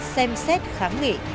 xem xét kháng nghị